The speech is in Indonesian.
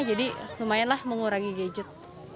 jadi lumayanlah mengurangi gadget